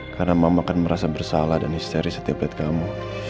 karena mama akan merasa bersalah dan histeri setiap lihat kamu